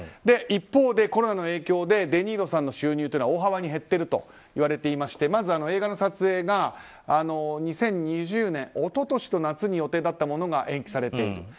一方でコロナの影響でデ・ニーロさんの収入は大幅に減っているといわれてましてまず映画の撮影が２０２０年、一昨年の夏に予定だったものが延期されている。